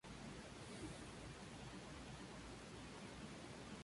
Inició sus estudios en Córdoba, a los once años.